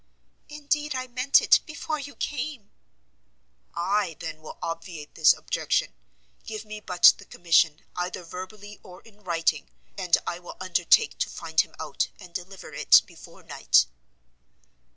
"Indeed I meant it, before you came." "I, then, will obviate this objection; give me but the commission, either verbally or in writing, and I will undertake to find him out, and deliver it before night."